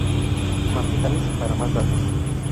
Martin Davis, para más datos.